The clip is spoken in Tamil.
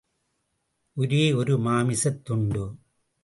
ஒரே ஒரு மாமிசத்துண்டு.